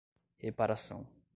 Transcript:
reparação